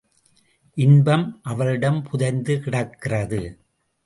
இன்பம் அவளிடம் புதைந்து கிடக்கிறது.